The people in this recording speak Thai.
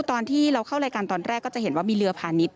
ตอนที่เราเข้ารายการตอนแรกก็จะเห็นว่ามีเรือพาณิชย